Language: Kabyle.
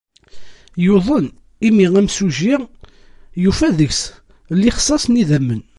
Yuḍen imi amsujji yufa deg-s lixṣaṣ n yidammen.